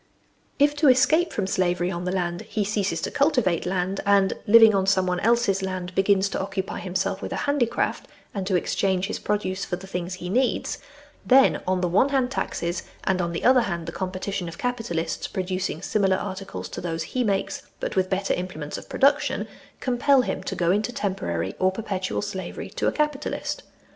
If to escape from slavery on the land, he ceases to cultivate land, and, living on someone else's land, begins to occupy himself with a handi craft, and to exchange his produce for the things he needs, then, on the one hand, taxes, and, on 74 THE SLAVERY OF OUR TIMES the other hand, the competition of capitalists, producing similar articles to those he makes, but with better implements of production, compel him to go into temporary or perpetual slavery to a capitalist.